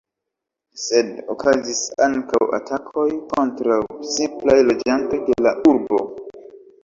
Sed okazis ankaŭ atakoj kontraŭ simplaj loĝantoj de la urbo.